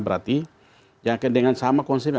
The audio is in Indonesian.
berarti dengan sama konsep